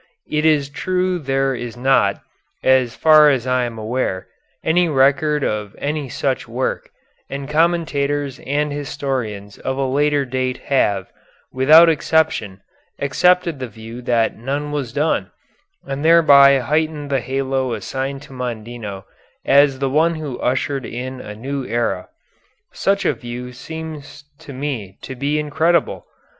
It is true there is not, as far as I am aware, any record of any such work, and commentators and historians of a later date have, without exception, accepted the view that none was done, and thereby heightened the halo assigned to Mondino as the one who ushered in a new era. Such a view seems to me to be incredible.